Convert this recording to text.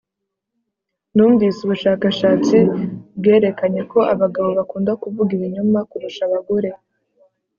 Numvise ubushakashatsi bwerekanye ko abagabo bakunda kuvuga ibinyoma kurusha abagore